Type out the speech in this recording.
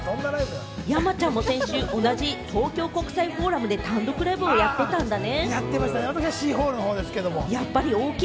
山ちゃんも先週、同じ東京国際フォーラムで単独ライブやってたんだね。